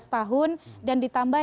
lima belas tahun dan ditambah